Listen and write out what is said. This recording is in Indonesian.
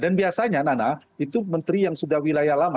dan biasanya nana itu menteri yang sudah wilayah lama